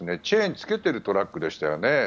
チェーンをつけているトラックでしたよね。